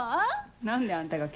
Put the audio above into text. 何であんたが謙遜？